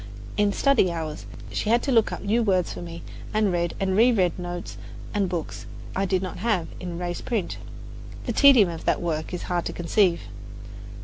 In study hours she had to look up new words for me and read and reread notes and books I did not have in raised print. The tedium of that work is hard to conceive.